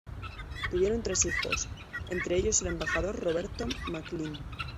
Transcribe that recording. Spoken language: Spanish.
Tuvieron tres hijos, entre ellos el embajador Roberto MacLean.